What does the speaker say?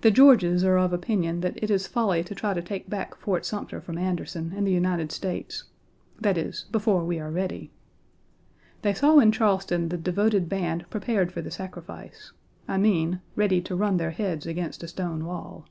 The Georges are of opinion that it is folly to try to take back Fort Sumter from Anderson and the United States; that is, before we are ready. They saw in Charleston the devoted band prepared for the sacrifice; I mean, ready to run their heads against a stone wall.